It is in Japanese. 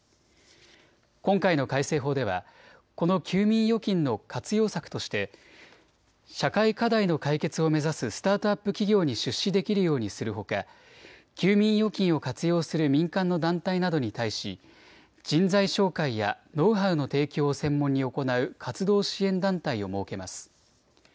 今回の改正法ではこの休眠預金の活用策として社会課題の解決を目指すスタートアップ企業に出資できるようにするほか休眠預金を活用する民間の団体などに対し人材紹介やノウハウの提供を専門に行う活動支援団体を設けます。